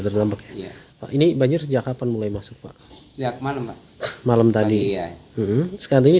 terdampak ya pak ini banjir sejak kapan mulai masuk pak sejak malam pak malam tadi ya sekarang ini